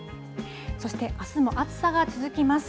そして、あすも暑さが続きます。